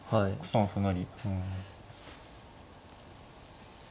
６三歩成。